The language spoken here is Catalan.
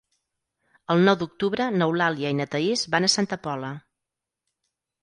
El nou d'octubre n'Eulàlia i na Thaís van a Santa Pola.